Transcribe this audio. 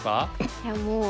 いやもう。